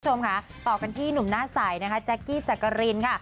คุณผู้ชมค่ะต่อกันที่หนุ่มหน้าใสนะคะแจ๊กกี้จักรินค่ะ